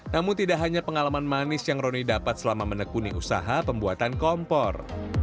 namun tidak hanya pengalaman manis yang roni dapat selama menekuni usaha pembuatan kompor